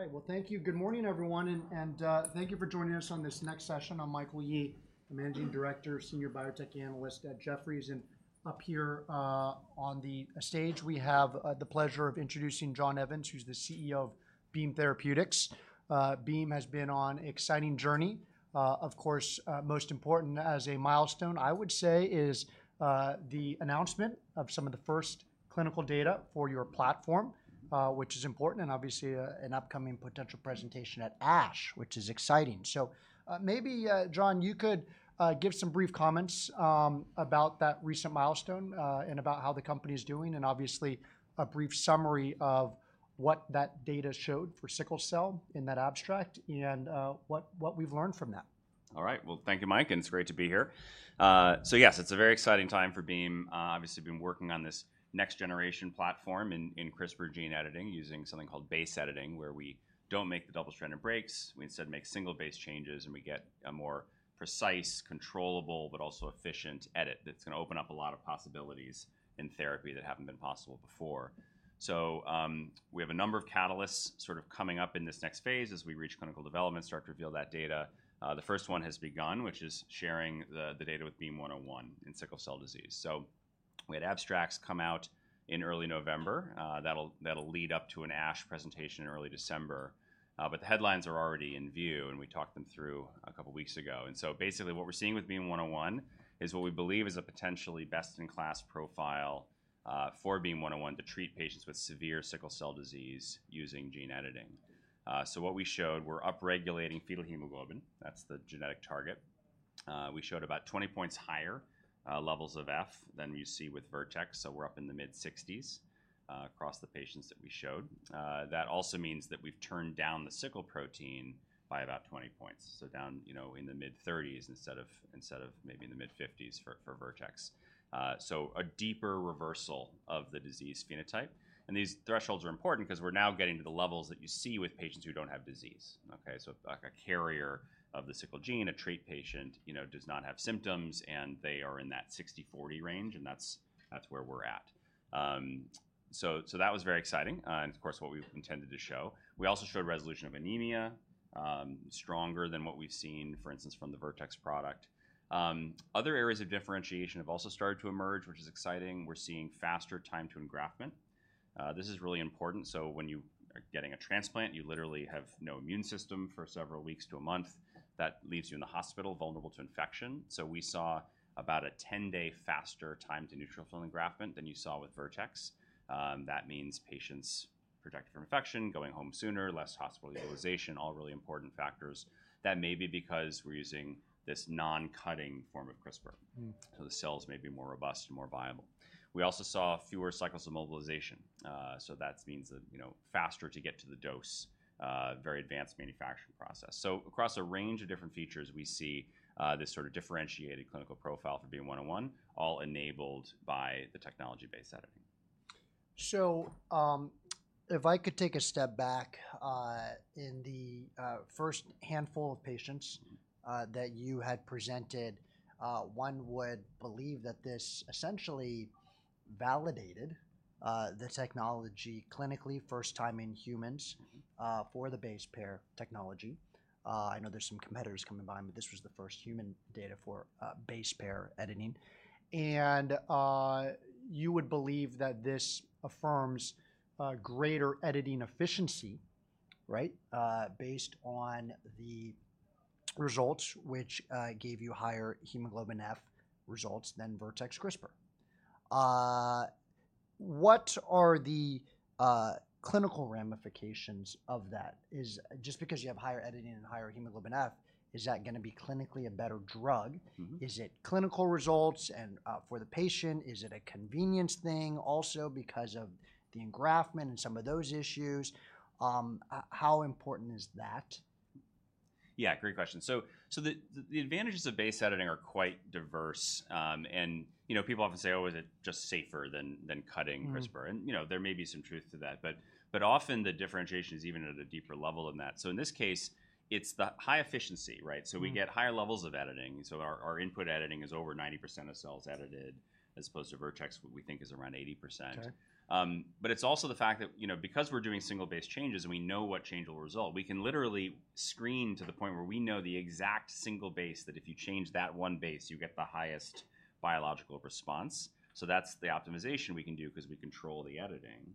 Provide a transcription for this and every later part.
All right, well, thank you. Good morning, everyone, and thank you for joining us on this next session. I'm Michael Yee, the Managing Director, Senior Biotech Analyst at Jefferies. And up here on the stage, we have the pleasure of introducing John Evans, who's the CEO of Beam Therapeutics. Beam has been on an exciting journey. Of course, most important as a milestone, I would say, is the announcement of some of the first clinical data for your platform, which is important, and obviously an upcoming potential presentation at ASH, which is exciting. So maybe, John, you could give some brief comments about that recent milestone and about how the company is doing, and obviously a brief summary of what that data showed for sickle cell in that abstract and what we've learned from that. All right, well, thank you, Mike. And it's great to be here. So yes, it's a very exciting time for Beam, obviously been working on this next-generation platform in CRISPR gene editing using something called base editing, where we don't make the double-stranded breaks, we instead make single base changes, and we get a more precise, controllable but also efficient edit that's going to open up a lot of possibilities in therapy that haven't been possible before. So we have a number of catalysts sort of coming up in this next phase as we reach clinical development, start to reveal that data. The first one has begun, which is sharing the data with BEAM-101 in sickle cell disease. So we had abstracts come out in early November that'll lead up to an ASH presentation in early December. But the headlines are already in view, and we talked them through a couple of weeks ago. And so basically what we're seeing with BEAM-101 is what we believe is a potentially best-in-class profile for BEAM-101 to treat patients with severe sickle cell disease using gene editing. So what we showed, we're upregulating fetal hemoglobin. That's the genetic target. We showed about 20 points higher levels of F than you see with Vertex. So we're up in the mid-60s across the patients that we showed. That also means that we've turned down the sickle protein by about 20 points, so down in the mid-30s instead of maybe in the mid-50s for Vertex. So a deeper reversal of the disease phenotype. And these thresholds are important because we're now getting to the levels that you see with patients who don't have disease. So like a carrier of the sickle gene, a trait patient does not have symptoms, and they are in that 60-40 range, and that's where we're at. So that was very exciting. And of course, what we intended to show. We also showed resolution of anemia, stronger than what we've seen, for instance, from the Vertex product. Other areas of differentiation have also started to emerge, which is exciting. We're seeing faster time to engraftment. This is really important. So when you are getting a transplant, you literally have no immune system for several weeks to a month. That leaves you in the hospital vulnerable to infection. So we saw about a 10-day faster time to neutrophil engraftment than you saw with Vertex. That means patients protected from infection, going home sooner, less hospital utilization, all really important factors. That may be because we're using this non-cutting form of CRISPR. So the cells may be more robust and more viable. We also saw fewer cycles of mobilization. So that means faster to get to the dose, very advanced manufacturing process. So across a range of different features, we see this sort of differentiated clinical profile for BEAM-101, all enabled by the base editing. So if I could take a step back, in the first handful of patients that you had presented, one would believe that this essentially validated the technology clinically, first time in humans for the base editing technology. I know there's some competitors coming by, but this was the first human data for base editing. And you would believe that this affirms greater editing efficiency, right, based on the results, which gave you higher hemoglobin F results than Vertex CRISPR. What are the clinical ramifications of that? Just because you have higher editing and higher hemoglobin F, is that going to be clinically a better drug? Is it clinical results for the patient? Is it a convenience thing also because of the engraftment and some of those issues? How important is that? Yeah, great question. So the advantages of base editing are quite diverse. And people often say, oh, is it just safer than cutting CRISPR? And there may be some truth to that, but often the differentiation is even at a deeper level than that. So in this case, it's the high efficiency, right? So we get higher levels of editing. So our input editing is over 90% of cells edited, as opposed to Vertex, what we think is around 80%. But it's also the fact that because we're doing single base changes and we know what change will result, we can literally screen to the point where we know the exact single base that if you change that one base, you get the highest biological response. So that's the optimization we can do because we control the editing.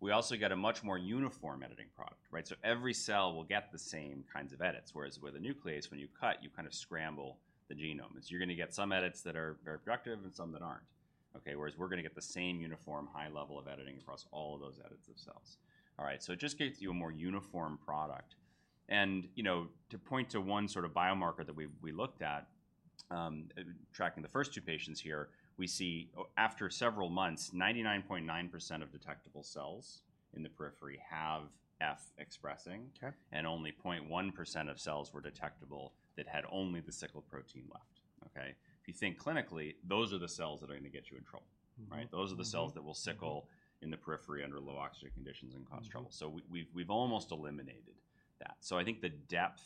We also get a much more uniform editing product, right? Every cell will get the same kinds of edits, whereas with a nuclease, when you cut, you kind of scramble the genome. You're going to get some edits that are very productive and some that aren't, whereas we're going to get the same uniform high level of editing across all of those edits of cells. It just gives you a more uniform product. To point to one sort of biomarker that we looked at, tracking the first two patients here, we see after several months, 99.9% of detectable cells in the periphery have F expressing, and only 0.1% of cells were detectable that had only the sickle protein left. If you think clinically, those are the cells that are going to get you in trouble, right? Those are the cells that will sickle in the periphery under low oxygen conditions and cause trouble. So we've almost eliminated that. So I think the depth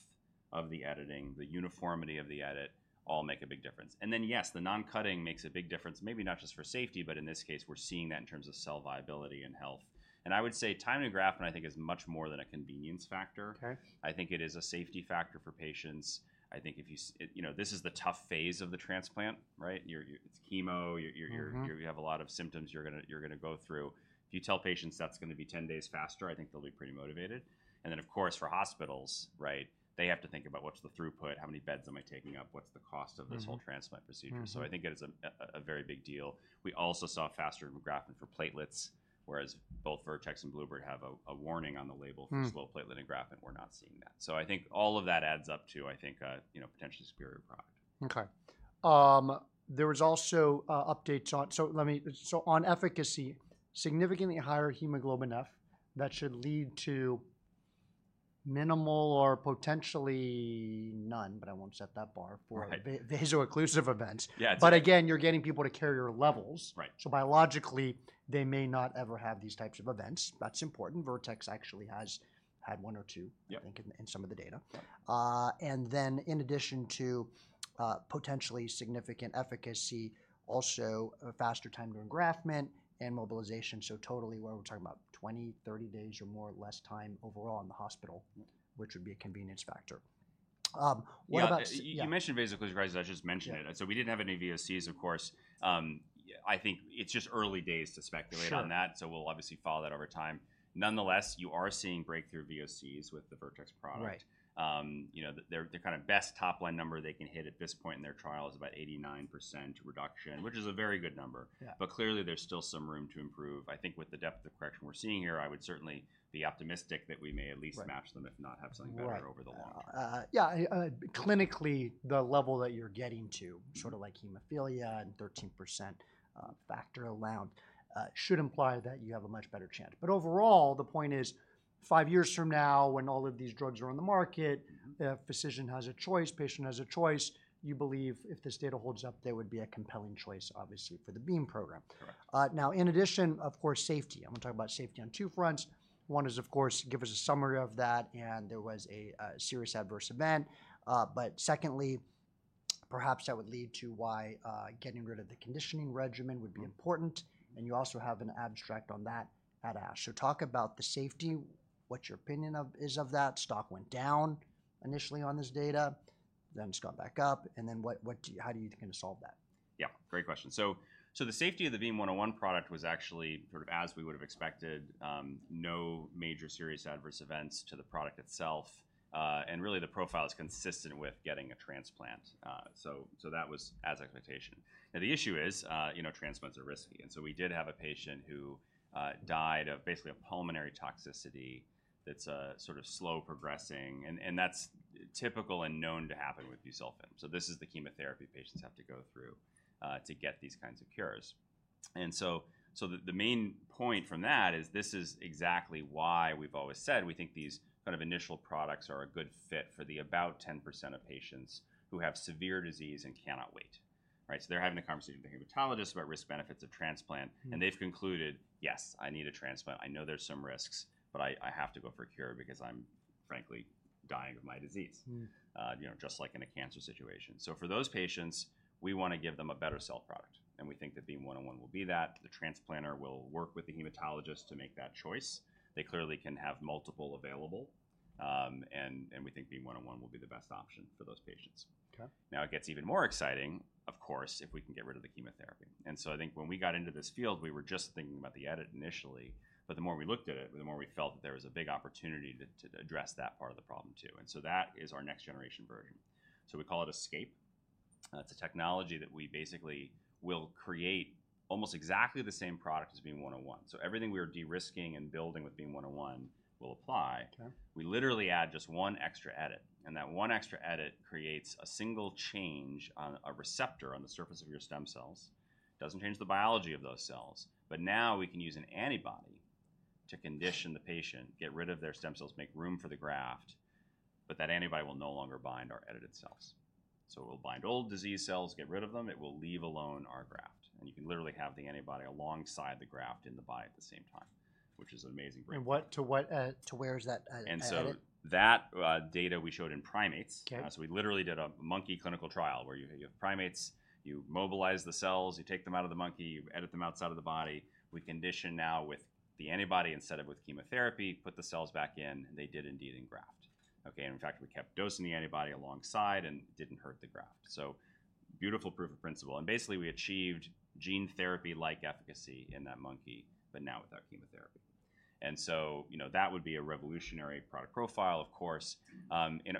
of the editing, the uniformity of the edit, all make a big difference. And then yes, the non-cutting makes a big difference, maybe not just for safety, but in this case, we're seeing that in terms of cell viability and health. And I would say timing of engraftment, I think, is much more than a convenience factor. I think it is a safety factor for patients. I think this is the tough phase of the transplant, right? It's chemo. You have a lot of symptoms you're going to go through. If you tell patients that's going to be 10 days faster, I think they'll be pretty motivated. And then, of course, for hospitals, right, they have to think about what's the throughput, how many beds am I taking up, what's the cost of this whole transplant procedure. I think it is a very big deal. We also saw faster engraftment for platelets, whereas both Vertex and Bluebird have a warning on the label for slow platelet engraftment. We're not seeing that. I think all of that adds up to, I think, a potentially superior product. Okay. There was also updates on, so on efficacy, significantly higher hemoglobin F that should lead to minimal or potentially none, but I won't set that bar for vaso-occlusive events. But again, you're getting people to carry your levels. So biologically, they may not ever have these types of events. That's important. Vertex actually has had one or two, I think, in some of the data. And then in addition to potentially significant efficacy, also a faster time to engraftment and mobilization. So totally where we're talking about 20, 30 days or more or less time overall in the hospital, which would be a convenience factor. You mentioned vaso-occlusive events, I just mentioned it. So we didn't have any VOCs, of course. I think it's just early days to speculate on that. So we'll obviously follow that over time. Nonetheless, you are seeing breakthrough VOCs with the Vertex product. Their kind of best top-line number they can hit at this point in their trial is about 89% reduction, which is a very good number. But clearly, there's still some room to improve. I think with the depth of correction we're seeing here, I would certainly be optimistic that we may at least match them if not have something better over the long run. Yeah, clinically, the level that you're getting to, sort of like hemophilia and 13% factor allowed, should imply that you have a much better chance. But overall, the point is five years from now, when all of these drugs are on the market, physician has a choice, patient has a choice, you believe if this data holds up, there would be a compelling choice, obviously, for the Beam program. Now, in addition, of course, safety. I'm going to talk about safety on two fronts. One is, of course, give us a summary of that, and there was a serious adverse event. But secondly, perhaps that would lead to why getting rid of the conditioning regimen would be important. And you also have an abstract on that at ASH. Talk about the safety, what your opinion is of that. Stock went down initially on this data, then it's gone back up. And then how do you think to solve that? Yeah, great question. So the safety of the BEAM-101 product was actually sort of, as we would have expected, no major serious adverse events to the product itself, and really, the profile is consistent with getting a transplant, so that was as expected. Now, the issue is transplants are risky, and so we did have a patient who died of basically a pulmonary toxicity that's sort of slow progressing, and that's typical and known to happen with busulfan. So this is the chemotherapy patients have to go through to get these kinds of cures, and so the main point from that is this is exactly why we've always said we think these kind of initial products are a good fit for the about 10% of patients who have severe disease and cannot wait, so they're having a conversation with a hematologist about risks, benefits of transplant. And they've concluded, yes, I need a transplant. I know there's some risks, but I have to go for a cure because I'm frankly dying of my disease, just like in a cancer situation. So for those patients, we want to give them a better cell product. And we think that BEAM-101 will be that. The transplanter will work with the hematologist to make that choice. They clearly can have multiple available. And we think BEAM-101 will be the best option for those patients. Now, it gets even more exciting, of course, if we can get rid of the chemotherapy. And so I think when we got into this field, we were just thinking about the edit initially. But the more we looked at it, the more we felt that there was a big opportunity to address that part of the problem too. That is our next generation version. So we call it ESCAPE. That's a technology that we basically will create almost exactly the same product as BEAM-101. So everything we are de-risking and building with BEAM-101 will apply. We literally add just one extra edit. And that one extra edit creates a single change on a receptor on the surface of your stem cells. Doesn't change the biology of those cells. But now we can use an antibody to condition the patient, get rid of their stem cells, make room for the graft. But that antibody will no longer bind our edited cells. So it will bind old disease cells, get rid of them. It will leave alone our graft. And you can literally have the antibody alongside the graft in the body at the same time, which is an amazing breakthrough. To where is that added? And so that data we showed in primates. So we literally did a monkey clinical trial where you have primates, you mobilize the cells, you take them out of the monkey, you edit them outside of the body. We condition now with the antibody instead of with chemotherapy, put the cells back in, and they did indeed engraft. And in fact, we kept dosing the antibody alongside and didn't hurt the graft. So beautiful proof of principle. And basically, we achieved gene therapy-like efficacy in that monkey, but now without chemotherapy. And so that would be a revolutionary product profile, of course.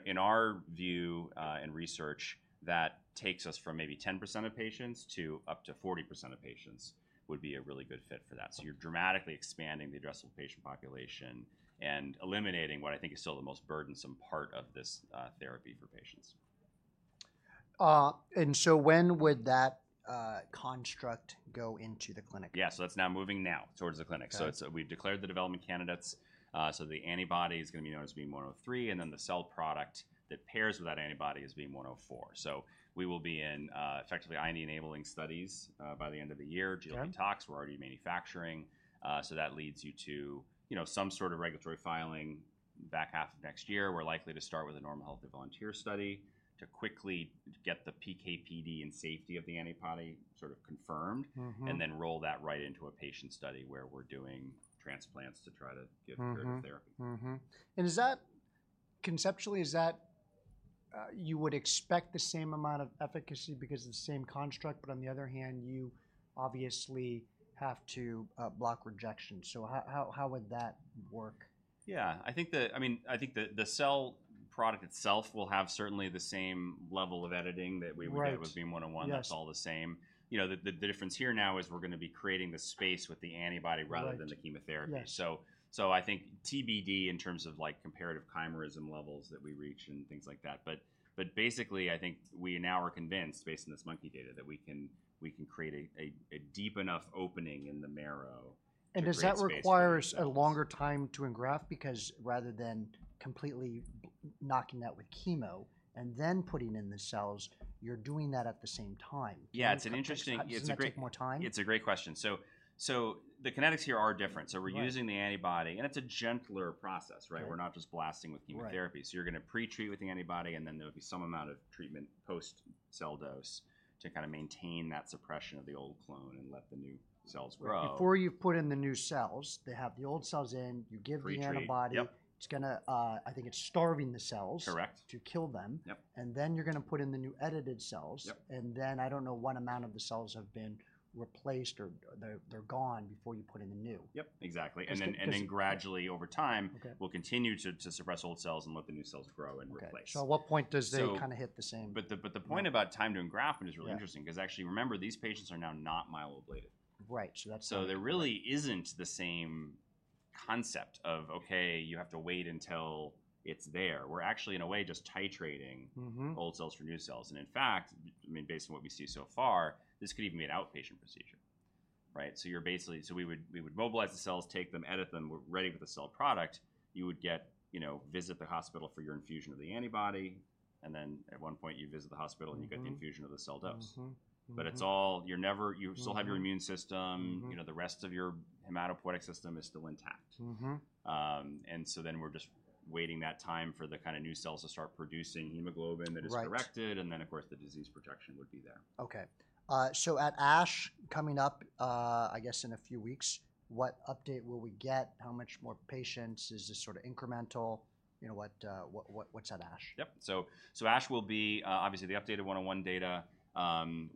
In our view and research, that takes us from maybe 10% of patients to up to 40% of patients would be a really good fit for that. So you're dramatically expanding the addressable patient population and eliminating what I think is still the most burdensome part of this therapy for patients. And so when would that construct go into the clinic? Yeah, so that's now moving towards the clinic. So we've declared the development candidates. So the antibody is going to be known as BEAM-103, and then the cell product that pairs with that antibody is BEAM-104. So we will be in effectively IND-enabling studies by the end of the year, GLP tox. We're already manufacturing. So that leads you to some sort of regulatory filing back half of next year. We're likely to start with a normal healthy volunteer study to quickly get the PKPD and safety of the antibody sort of confirmed, and then roll that right into a patient study where we're doing transplants to try to give therapy. And conceptually, is that you would expect the same amount of efficacy because of the same construct, but on the other hand, you obviously have to block rejection. So how would that work? Yeah, I think the cell product itself will have certainly the same level of editing that we would get with BEAM-101. That's all the same. The difference here now is we're going to be creating the space with the antibody rather than the chemotherapy. So I think TBD in terms of comparative chimerism levels that we reach and things like that. But basically, I think we now are convinced, based on this monkey data, that we can create a deep enough opening in the marrow. Does that require a longer time to engraft? Because rather than completely knocking out with chemo and then putting in the cells, you're doing that at the same time. Yeah, it's an interesting. Does it take more time? It's a great question. So the kinetics here are different. So we're using the antibody, and it's a gentler process, right? We're not just blasting with chemotherapy. So you're going to pretreat with the antibody, and then there will be some amount of treatment post-cell dose to kind of maintain that suppression of the old clone and let the new cells grow. Before you put in the new cells, they have the old cells in. You give the antibody. I think it's starving the cells to kill them. And then you're going to put in the new edited cells. And then I don't know what amount of the cells have been replaced or they're gone before you put in the new. Yep, exactly. And then gradually over time, we'll continue to suppress old cells and let the new cells grow and replace. So at what point does they kind of hit the same? But the point about time to engraftment is really interesting because actually, remember, these patients are now not myeloablated. Right. So there really isn't the same concept of, okay, you have to wait until it's there. We're actually, in a way, just titrating old cells for new cells. And in fact, based on what we see so far, this could even be an outpatient procedure. So we would mobilize the cells, take them, edit them, we're ready with the cell product. You would visit the hospital for your infusion of the antibody. And then at one point, you visit the hospital and you get the infusion of the cell dose. But you still have your immune system. The rest of your hematopoietic system is still intact. And so then we're just waiting that time for the kind of new cells to start producing hemoglobin that is corrected. And then, of course, the disease protection would be there. Okay. So at ASH, coming up, I guess in a few weeks, what update will we get? How much more patients? Is this sort of incremental? What's at ASH? Yep. So ASH will be, obviously, the updated Beam-101 data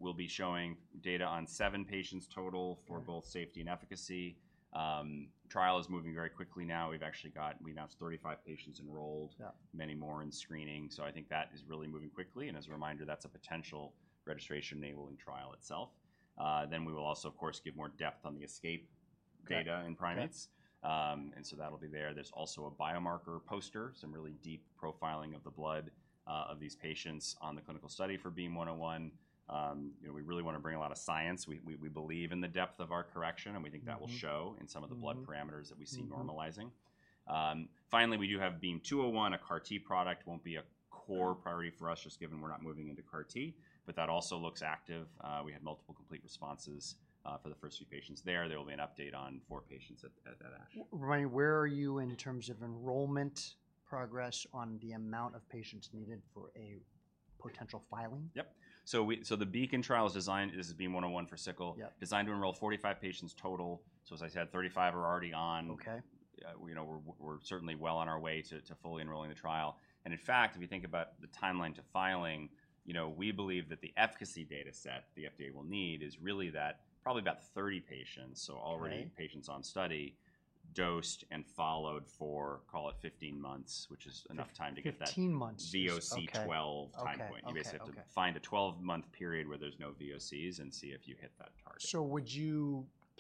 will be showing data on seven patients total for both safety and efficacy. The trial is moving very quickly now. We've actually got, we announced 35 patients enrolled, many more in screening. I think that is really moving quickly. As a reminder, that's a potential registration-enabling trial itself. We will also, of course, give more depth on the ESCAPE data in primates. That'll be there. There's also a biomarker poster, some really deep profiling of the blood of these patients on the clinical study for Beam-101. We really want to bring a lot of science. We believe in the depth of our correction, and we think that will show in some of the blood parameters that we see normalizing. Finally, we do have BEAM-201, a CAR-T product. It won't be a core priority for us just given we're not moving into CAR-T, but that also looks active. We had multiple complete responses for the first few patients there. There will be an update on four patients at ASH. Right. Where are you in terms of enrollment progress on the amount of patients needed for a potential filing? Yep. The BEACON trial is designed. This is BEAM-101 for sickle, designed to enroll 45 patients total. As I said, 35 are already on. We're certainly well on our way to fully enrolling the trial. In fact, if you think about the timeline to filing, we believe that the efficacy data set the FDA will need is really that probably about 30 patients. Already patients on study, dosed, and followed for, call it 15 months, which is enough time to get that VOC 12 time. You basically have to find a 12-month period where there's no VOCs and see if you hit that target. So,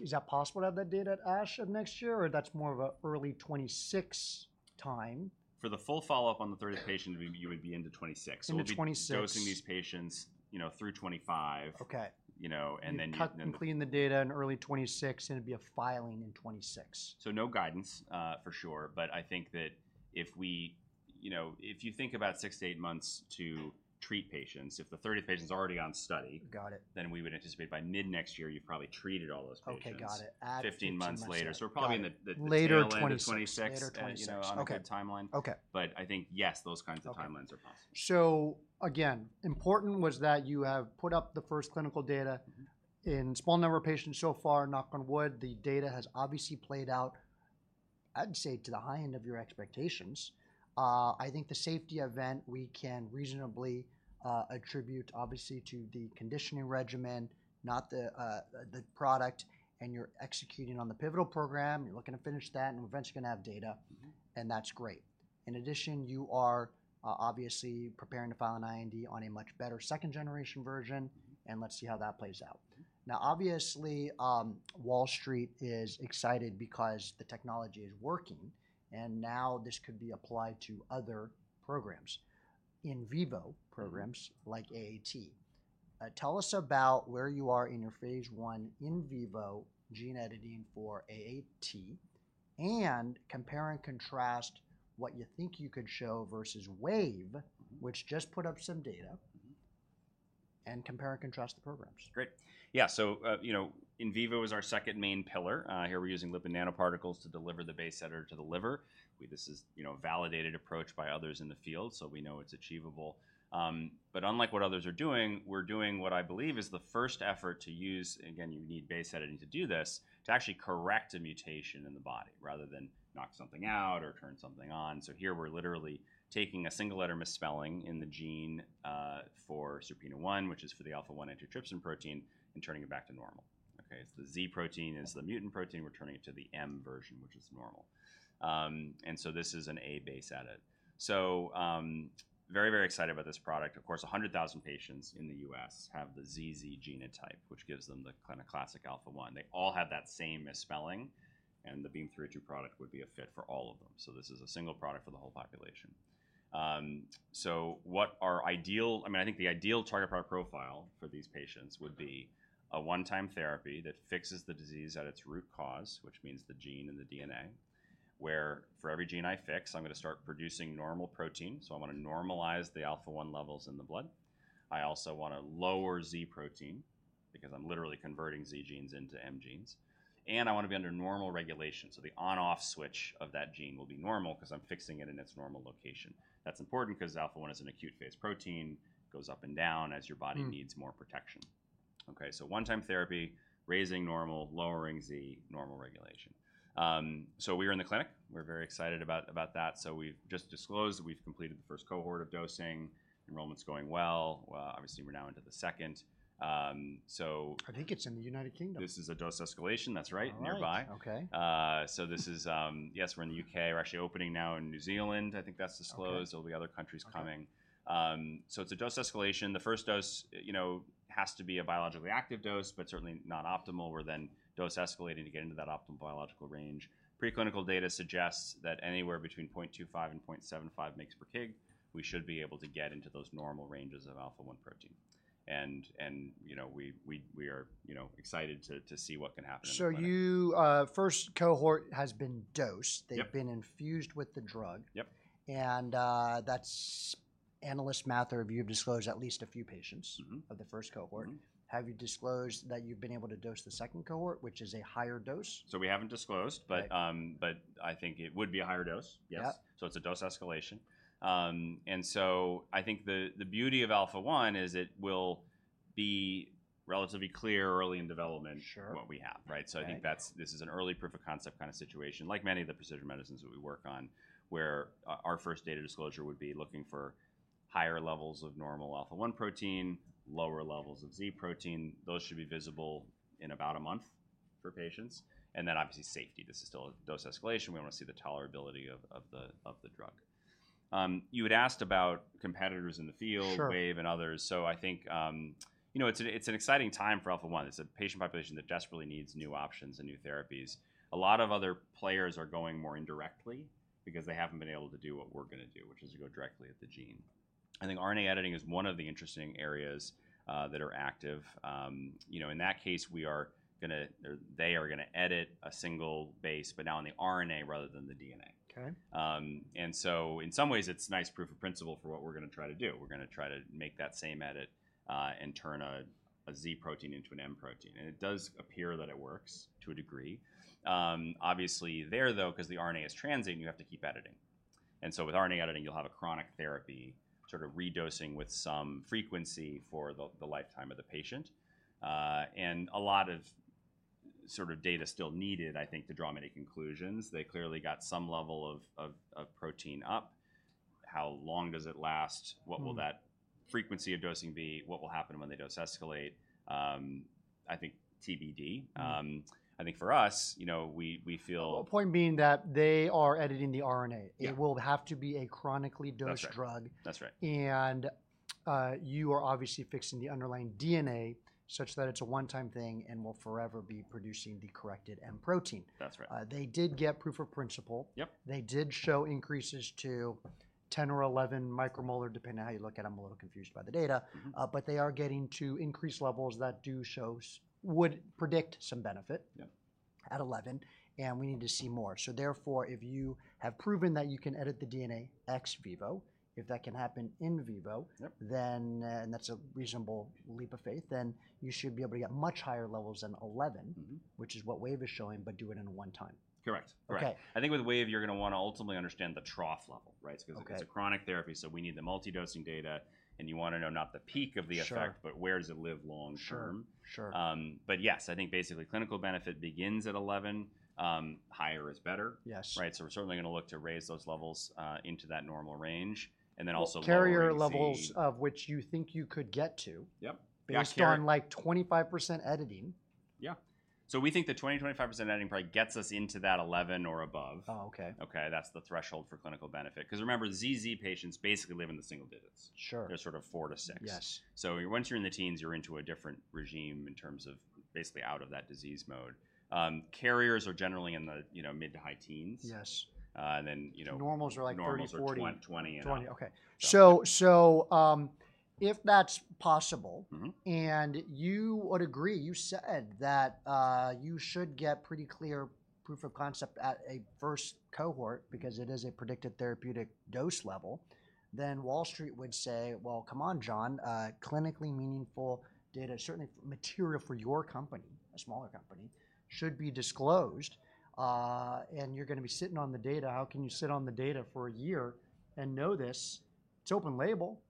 is that possible to have that data at ASH next year? Or that's more of an early 2026 time? For the full follow-up on the 30 patients, you would be into 26. So we'll be dosing these patients through 25. Cut and clean the data in early 2026, and it'd be a filing in 2026. So no guidance for sure. But I think that if you think about six to eight months to treat patients, if the 30 patients are already on study, then we would anticipate by mid next year, you've probably treated all those patients. Okay, got it. Add to the. 15 months later. So we're probably in the early 2026 on that timeline. But I think, yes, those kinds of timelines are possible. So, again, important was that you have put up the first clinical data in small number of patients so far, knock on wood. The data has obviously played out, I'd say to the high end of your expectations. I think the safety event we can reasonably attribute obviously to the conditioning regimen, not the product. And you're executing on the pivotal program. You're looking to finish that, and eventually you're going to have data. And that's great. In addition, you are obviously preparing to file an IND on a much better second-generation version. And let's see how that plays out. Now, obviously, Wall Street is excited because the technology is working. And now this could be applied to other programs, in vivo programs like AAT. Tell us about where you are in your phase 1 in vivo gene editing for AAT and compare and contrast what you think you could show versus Wave, which just put up some data, and compare and contrast the programs. Great. Yeah. So in vivo is our second main pillar. Here we're using lipid nanoparticles to deliver the base editor to the liver. This is a validated approach by others in the field, so we know it's achievable. But unlike what others are doing, we're doing what I believe is the first effort to use, again, you need base editing to do this, to actually correct a mutation in the body rather than knock something out or turn something on. So here we're literally taking a single letter misspelling in the gene for SERPINA1, which is for the alpha-1 antitrypsin protein, and turning it back to normal. The Z protein is the mutant protein. We're turning it to the M version, which is normal. And so this is an A base edit. So very, very excited about this product. Of course, 100,000 patients in the U.S. have the ZZ genotype, which gives them the classic alpha-1. They all have that same misspelling. And the BEAM-302 product would be a fit for all of them. So this is a single product for the whole population. So what our ideal, I mean, I think the ideal target product profile for these patients would be a one-time therapy that fixes the disease at its root cause, which means the gene and the DNA, where for every gene I fix, I'm going to start producing normal protein. So I want to normalize the alpha-1 levels in the blood. I also want to lower Z protein because I'm literally converting Z genes into M genes. And I want to be under normal regulation. So the on-off switch of that gene will be normal because I'm fixing it in its normal location. That's important because alpha-1 is an acute phase protein. It goes up and down as your body needs more protection. So one-time therapy, raising normal, lowering Z, normal regulation. So we are in the clinic. We're very excited about that. So we've just disclosed we've completed the first cohort of dosing. Enrollment's going well. Obviously, we're now into the second. I think it's in the United Kingdom. This is a dose escalation. That's right, nearby. So yes, we're in the U.K. We're actually opening now in New Zealand. I think that's disclosed. There'll be other countries coming. So it's a dose escalation. The first dose has to be a biologically active dose, but certainly not optimal. We're then dose escalating to get into that optimal biological range. Pre-clinical data suggests that anywhere between 0.25 and 0.75 mg/kg, we should be able to get into those normal ranges of alpha-1 protein. And we are excited to see what can happen in the clinic. So your first cohort has been dosed. They've been infused with the drug. And analysts' math or view disclosed at least a few patients of the first cohort. Have you disclosed that you've been able to dose the second cohort, which is a higher dose? So we haven't disclosed, but I think it would be a higher dose. Yes. So it's a dose escalation. And so I think the beauty of alpha-1 is it will be relatively clear early in development what we have. So I think this is an early proof of concept kind of situation, like many of the precision medicines that we work on, where our first data disclosure would be looking for higher levels of normal alpha-1 protein, lower levels of Z protein. Those should be visible in about a month for patients. And then obviously safety. This is still a dose escalation. We want to see the tolerability of the drug. You had asked about competitors in the field, Wave and others. So I think it's an exciting time for alpha-1. It's a patient population that desperately needs new options and new therapies. A lot of other players are going more indirectly because they haven't been able to do what we're going to do, which is to go directly at the gene. I think RNA editing is one of the interesting areas that are active. In that case, they are going to edit a single base, but now on the RNA rather than the DNA. And so in some ways, it's nice proof of principle for what we're going to try to do. We're going to try to make that same edit and turn a Z protein into an M protein. And it does appear that it works to a degree. Obviously, there though, because the RNA is transient, you have to keep editing. And so with RNA editing, you'll have a chronic therapy sort of redosing with some frequency for the lifetime of the patient. A lot of sort of data still needed, I think, to draw many conclusions. They clearly got some level of protein up. How long does it last? What will that frequency of dosing be? What will happen when they dose escalate? I think TBD. I think for us, we feel. Point being that they are editing the RNA. It will have to be a chronically dosed drug. That's right. You are obviously fixing the underlying DNA such that it's a one-time thing and will forever be producing the corrected M protein. That's right. They did get proof of principle. They did show increases to 10 or 11 micromolar, depending on how you look at them. I'm a little confused by the data, but they are getting to increase levels that do show, would predict some benefit at 11, and we need to see more, so therefore, if you have proven that you can edit the DNA ex vivo, if that can happen in vivo, and that's a reasonable leap of faith, then you should be able to get much higher levels than 11, which is what Wave is showing, but do it in one time. Correct. I think with Wave, you're going to want to ultimately understand the trough level, right? Because it's a chronic therapy, so we need the multidosing data. And you want to know not the peak of the effect, but where does it live long-term. But yes, I think basically clinical benefit begins at 11. Higher is better. So we're certainly going to look to raise those levels into that normal range. And then also. So carrier levels of which you think you could get to based on like 25% editing. Yeah. So we think the 20%-25% editing probably gets us into that 11 or above. That's the threshold for clinical benefit. Because remember, ZZ patients basically live in the single digits. They're sort of four to six. So once you're in the teens, you're into a different regime in terms of basically out of that disease mode. Carriers are generally in the mid to high teens. Normals are like 30, 40. Normals are 20, 20. 20, okay, so if that's possible and you would agree, you said that you should get pretty clear proof of concept at a first cohort because it is a predicted therapeutic dose level, then Wall Street would say, "Well, come on, John, clinically meaningful data, certainly material for your company, a smaller company, should be disclosed," and you're going to be sitting on the data. How can you sit on the data for a year and know this? It's open label,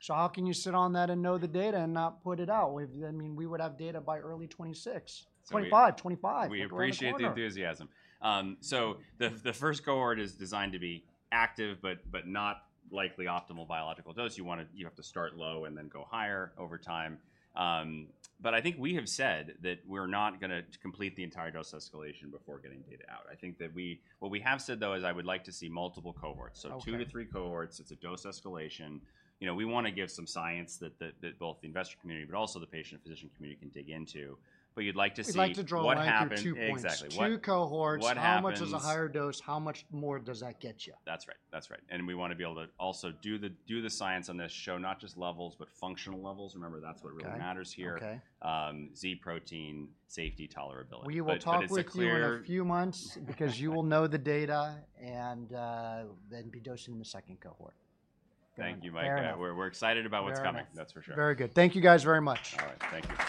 so how can you sit on that and know the data and not put it out? I mean, we would have data by early 2026, 2025, 2025. We appreciate the enthusiasm. The first cohort is designed to be active, but not likely optimal biological dose. You have to start low and then go higher over time. I think we have said that we're not going to complete the entire dose escalation before getting data out. I think that what we have said though is I would like to see multiple cohorts. Two to three cohorts. It's a dose escalation. We want to give some science that both the investor community, but also the patient and physician community can dig into. You'd like to see what happens. You'd like to know after two patients. Two cohorts. How much is a higher dose? How much more does that get you? That's right. That's right. And we want to be able to also do the science on this, show not just levels, but functional levels. Remember, that's what really matters here. Z protein, safety, tolerability. We will talk with you in a few months because you will know the data and then be dosing the second cohort. Thank you, Mike. We're excited about what's coming. That's for sure. Very good. Thank you guys very much. All right. Thank you.